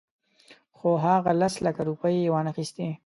خو هغه لس لکه روپۍ یې وانخیستلې.